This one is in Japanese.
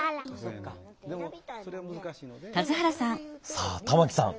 さあ玉木さん